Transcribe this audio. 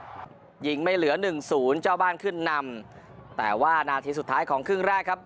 ยิงไม่เหลือหนึ่งศูนย์เจ้าบ้านขึ้นนำแต่ว่านาทีสุดท้ายของครึ่งแรกครับ